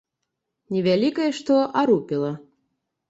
Не вялікае што, а рупіла.